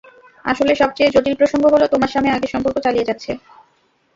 আসলে সবচেয়ে জটিল প্রসঙ্গ হলো, তোমার স্বামী আগের সম্পর্ক চালিয়ে যাচ্ছে।